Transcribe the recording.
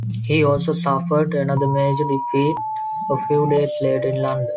He also suffered another major defeat a few days later in London.